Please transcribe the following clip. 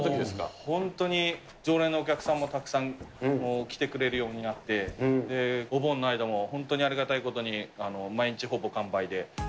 本当に、常連のお客さんもたくさん来てくれるようになって、お盆の間も本当にありがたいことに、毎日ほぼ完売で。